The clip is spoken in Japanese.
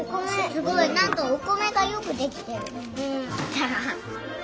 すごいなんとおこめがよくできてる。